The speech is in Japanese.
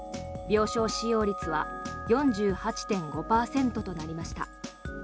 病床使用率は４８．５％となりました。